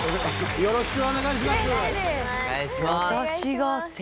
よろしくお願いします。